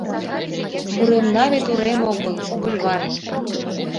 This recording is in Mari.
Уремна вет урем огыл, бульвар!